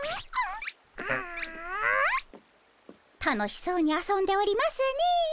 楽しそうに遊んでおりますねえ。